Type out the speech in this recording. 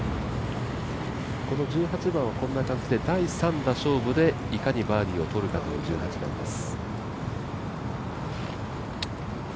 この１８番はこんな感じで第３打勝負でいかにバーディーを取るかということです。